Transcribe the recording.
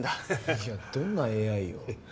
いやどんなＡＩよ。